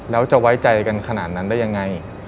แล้วจะไว้ใจกันขนาดนั้นได้ยังไง